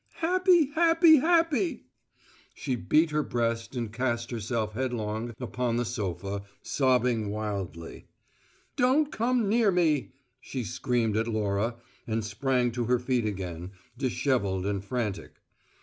Happy happy happy!" She beat her breast and cast herself headlong upon the sofa, sobbing wildly. "Don't come near me!" she screamed at Laura, and sprang to her feet again, dishevelled and frantic.